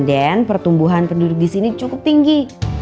dan pertumbuhan penduduk di sini cukup tinggi